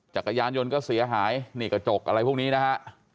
จักรยานยนต์ก็เสียหายนี่กระจกอะไรพวกนี้นะฮะ